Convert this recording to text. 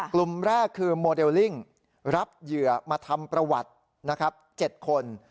กลุ่มแรกคือโมเดลลิ่งรับเหยื่อมาทำประวัตินะครับ๗คน